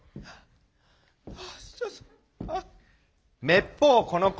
めっぽうこの子。